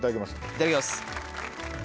いただきます。